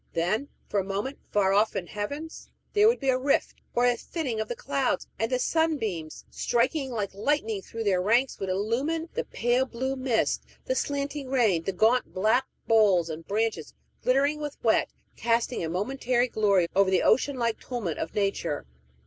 Then for a moment, far off in heavens, there would be a rift, or a thinning of the clouds, and the sunbeams, striking like lightning through their ranks, would illumine the pale blue mist, the slanting rain, the gaunt black boles and branches, glittering with wet, casting a momentary glory over the ocean like tumult of nature.